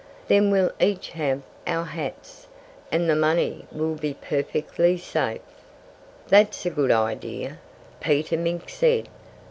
Then we'll each have our hats; and the money will be perfectly safe." "That's a good idea!" Peter Mink said.